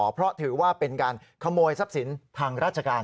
เพราะถือว่าเป็นการขโมยทรัพย์สินทางราชการ